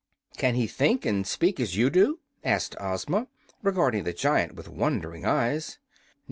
"Can he think, and speak, as you do?" asked Ozma, regarding the giant with wondering eyes.